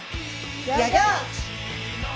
ギョギョ！